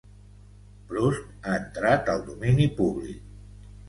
Proust ha entrat al domini públic.